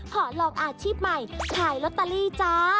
ขอลองอาชีพใหม่ขายลอตเตอรี่จ้า